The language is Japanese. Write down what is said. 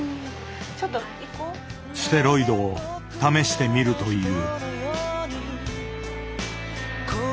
ステロイドを試してみるという。